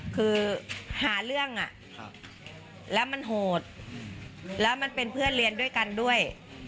คือหาเรื่องแล้วมันโหดแล้วมันเป็นเพื่อนเรียนด้วยกันด้วย